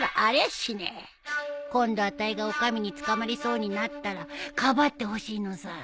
今度あたいがお上に捕まりそうになったらかばってほしいのさ。